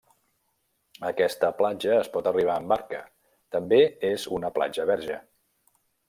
A aquesta platja es pot arribar en barca, també és una platja verge.